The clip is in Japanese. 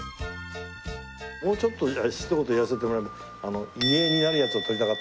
もうちょっとひと言言わせてもらうと。